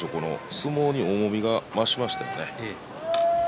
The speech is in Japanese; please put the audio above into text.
相撲に重みが増しましたよね。